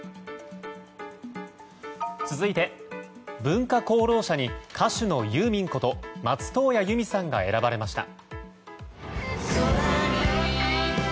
続いて、文化功労者に歌手のユーミンこと松任谷由実さんが選ばれました。